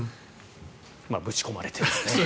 まあ、ぶち込まれてですね。